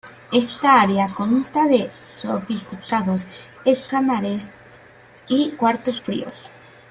Esta área consta de sofisticados escáneres y cuartos fríos.